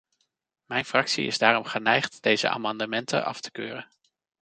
Mijn fractie is daarom geneigd deze amendementen af te keuren.